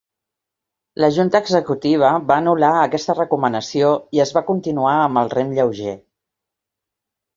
La Junta Executiva va "anul·lar" aquesta recomanació i es va continuar amb el rem lleuger.